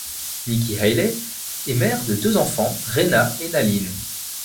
Nikki Haley est mère de deux enfants, Rena et Nalin.